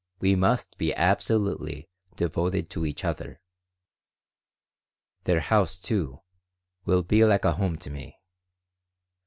We must be absolutely devoted to each other. Their house, too, will be like a home to me.